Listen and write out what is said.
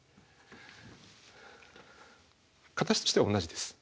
形としては同じです。